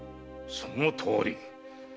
そのとおり。